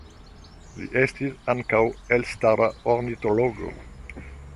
Li estis ankaŭ elstara ornitologo.